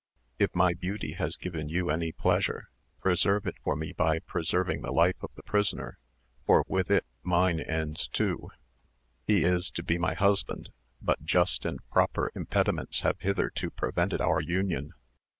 If my beauty has given you any pleasure, preserve it for me by preserving the life of the prisoner, for with it mine ends too. He is to be my husband, but just and proper impediments have hitherto prevented our union.